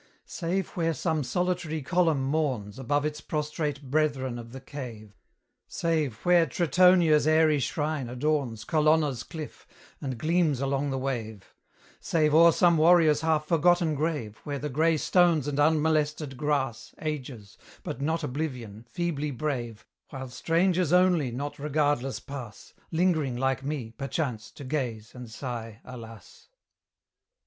Save where some solitary column mourns Above its prostrate brethren of the cave; Save where Tritonia's airy shrine adorns Colonna's cliff, and gleams along the wave; Save o'er some warrior's half forgotten grave, Where the grey stones and unmolested grass Ages, but not oblivion, feebly brave, While strangers only not regardless pass, Lingering like me, perchance, to gaze, and sigh 'Alas!'